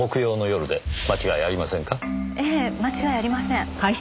ええ間違いありません。